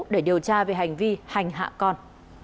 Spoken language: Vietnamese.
để điều tra về hành vi hành hạ con